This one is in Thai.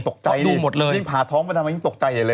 ตกใจดินี่ผ่าท้องไปทำงานนี่ตกใจเลย